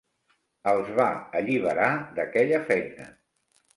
Els va alliberar d'aquella feina.